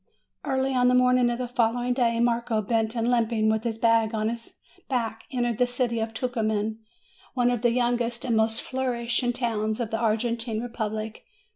Early on the morning of the following day, Marco, bent and limping, with his bag on his back, entered the city of Tucuman, one of the youngest and most flourishing towns of the Argentine Republic.